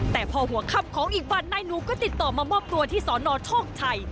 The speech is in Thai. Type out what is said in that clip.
แต่พอหัวค่ำของอีกวันนายหนูก็ติดต่อมามอบตัวที่สนโชคชัย